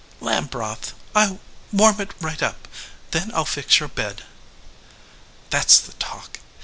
"Lamb broth. I ll warm it right up. Then I ll fix your bed." "That s the talk.